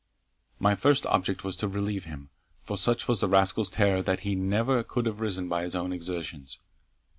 My first object was to relieve him, for such was the rascal's terror that he never could have risen by his own exertions.